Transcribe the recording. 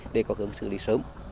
để có cơ hội xử lý sớm